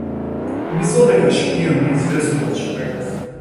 Мислат дека е шпион и известувач, реков.